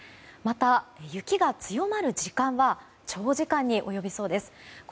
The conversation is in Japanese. また、雪が強まる時間は長時間に及びそうです。